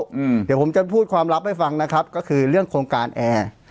เดี๋ยวผมจะพูดความลับให้ฟังนะครับก็คือเรื่องโครงการแอร์